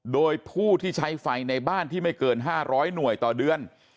โดยผู้ที่ใช้ไฟในบ้านที่ไม่เกิน๕๐๐หน่วยต่อเดือน